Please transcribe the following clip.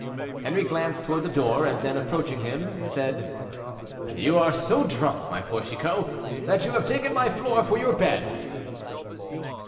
Henri glanced toward the door, and then, approaching him, said, "You are so drunk, my poor Chicot, that you have taken my floor for your bed."